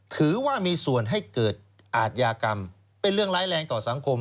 ถือว่ามีส่วนให้เกิดอาทยากรรมเป็นเรื่องร้ายแรงต่อสังคม